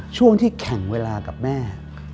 ช่วงที่แข่งเวลากับแม่